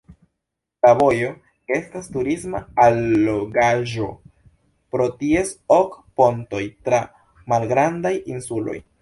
La vojo estas turisma allogaĵo pro ties ok pontoj tra malgrandaj insuloj.